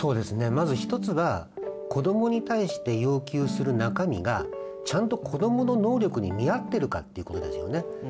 まず一つは子どもに対して要求する中身がちゃんと子どもの能力に見合ってるかっていうことですよね。